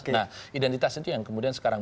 nah identitas itu yang kemudian sekarang